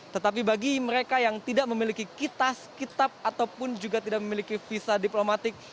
tetapi bagi mereka yang tidak memiliki kitas kitab ataupun juga tidak memiliki visa diplomatik